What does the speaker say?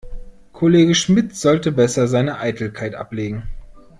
Kollege Schmidt sollte besser seine Eitelkeit ablegen.